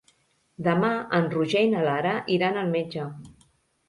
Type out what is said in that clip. Demà en Roger i na Lara iran al metge.